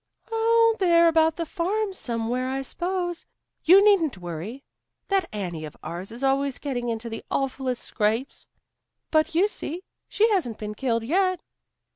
"Oh, they're about the farm somewhere, I s'pose. You needn't worry. That Annie of ours is always getting into the awfulest scrapes, but, you see, she hasn't been killed yet."